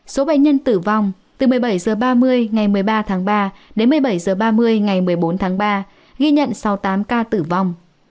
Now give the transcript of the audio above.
số bệnh nhân tử vong từ một mươi bảy h ba mươi ngày một mươi ba tháng ba đến một mươi bảy h ba mươi ngày một mươi bốn tháng ba ghi nhận sáu mươi tám ca tử vong